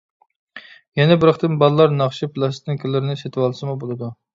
يەنە بىر قېتىم بالىلار ناخشا پىلاستىنكىلىرىنى سېتىۋالسىمۇ بولىدۇ.